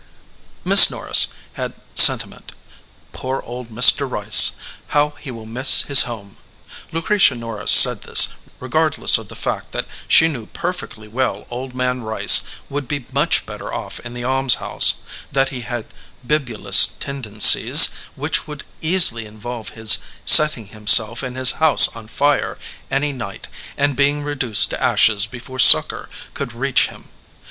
Miss Norris had sentiment. "Poor old Mr. Rice!" she said. "How he will miss his home!" Lucretia Norris said this, regardless of the fact that she knew perfectly well Old Man Rice would be much better off in the almshouse, that he had bibulous tendencies which would easily involve his setting himself and his house on fire any night and being reduced to ashes before succor could reach him.